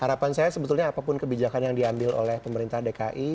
harapan saya sebetulnya apapun kebijakan yang diambil oleh pemerintah dki